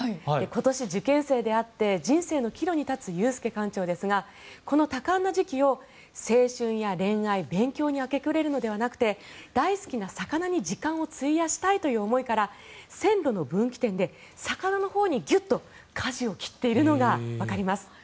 今年、受験生であって人生の岐路に立つ裕介館長ですがこの多感な時期を青春や恋愛、勉強に明け暮れるのではなくて大好きな魚に時間を費やしたいという思いから線路の分岐点で魚のほうにギュッとかじを切っているのがわかります。